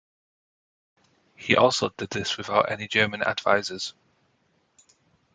He also did this without any German advisors.